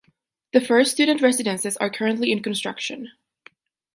The first student residences are currently in construction.